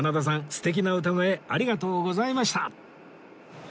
素敵な歌声ありがとうございました